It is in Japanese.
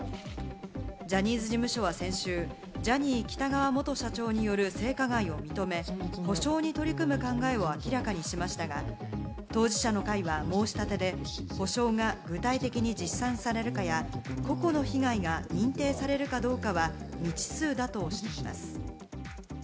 ジャニーズ事務所は先週、ジャニー喜多川元社長による性加害を認め、補償に取り組む考えを明らかにしましたが、当事者の会は申し立てで、補償が具体的に実践されるかや、個々の被害が認定されるかどうかは未知数だとしています。